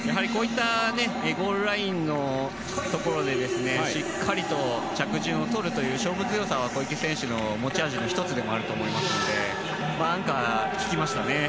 ゴールラインのところでしっかりと着順を取るという勝負強さは小池選手の持ち味の１つでもあると思いますのでアンカー効きましたね。